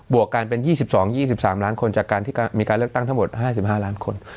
วกกันเป็น๒๒๒๓ล้านคนจากการที่มีการเลือกตั้งทั้งหมด๕๕ล้านคน